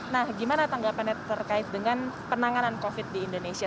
nah gimana tanggapan terkait dengan penanganan covid sembilan belas di indonesia